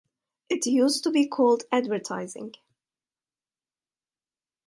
It used to be called advertising